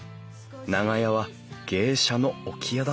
長屋は芸者の置き屋だった。